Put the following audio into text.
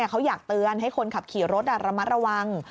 เขาอยากเตือนให้คนขับขี่รถระมัดระวัง